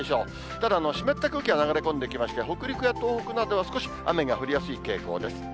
ただ、湿った空気が流れ込んできまして、北陸や東北などは少し雨が降りやすい傾向です。